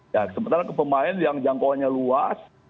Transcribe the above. ya sementara kepemain yang jangkauannya luas